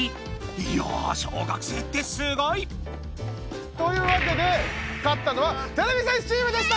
いや小学生ってすごい！というわけで勝ったのはてれび戦士チームでした！